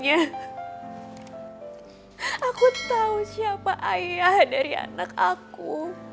aku tahu siapa ayah dari anak aku